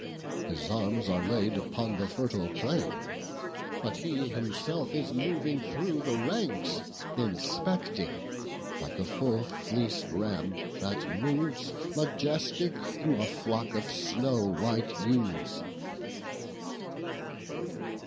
His arms are laid upon the fertile plain, But he himself is moving through the ranks, Inspecting, like a full fleec'd ram, that moves Majestic through a flock of snow white ewes."